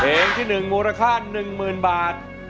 เพลงที่๑มูลค่า๑๐๐๐บาท